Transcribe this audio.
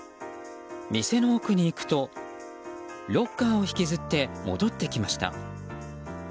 店の奥に行くとロッカーを引きずって戻ってきました。